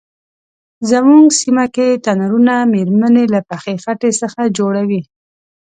زمونږ سیمه کې تنرونه میرمنې له پخې خټې څخه جوړوي.